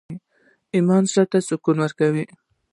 ایمان زړه ته سکون ورکوي